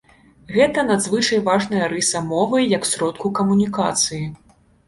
Гэта надзвычай важная рыса мовы як сродку камунікацыі.